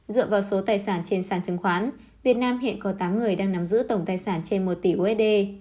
dựa vào số tài sản trên sàn chứng khoán việt nam hiện có tám người đang nắm giữ tổng tài sản trên một tỷ usd